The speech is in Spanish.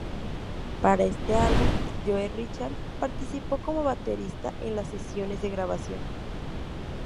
Para este álbum Joe Rickard participó como batería en las sesiones de grabación.